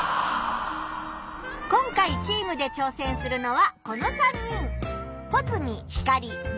今回チームでちょうせんするのはこの３人。